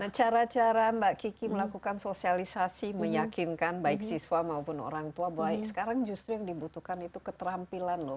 nah cara cara mbak kiki melakukan sosialisasi meyakinkan baik siswa maupun orang tua baik sekarang justru yang dibutuhkan itu keterampilan loh